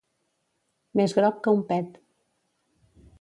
Més groc que un pet.